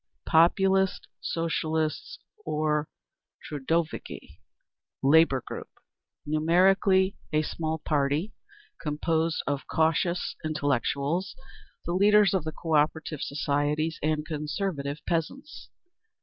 3. Populist Socialists, or Trudoviki (Labour Group). Numerically a small party, composed of cautious intellectuals, the leaders of the Cooperative societies, and conservative peasants.